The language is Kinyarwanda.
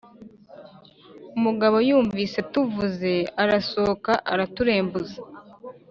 Umugabo Yumvise tuvuze arasohoka araturembuza